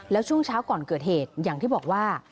แล้วช่วงเช้าก่อนเกิดเหตุอย่างที่บอกว่า